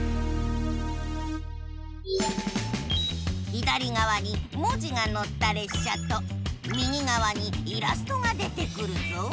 左がわに文字がのった列車と右がわにイラストが出てくるぞ。